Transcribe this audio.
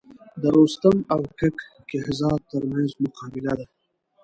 د رستم او کک کهزاد تر منځ مقابله ده.